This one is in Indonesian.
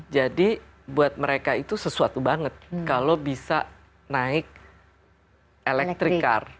jadi buat mereka itu sesuatu banget kalau bisa naik elektrikar